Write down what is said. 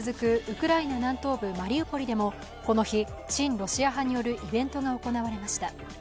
ウクライナ南東部マリウポリでもこの日、親ロシア派によるイベントが行われました。